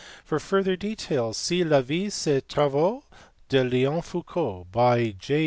For further details see La vie et les travaux de Leon Foucault by J.